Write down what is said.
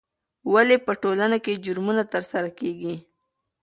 ولې په ټولنه کې جرمونه ترسره کیږي؟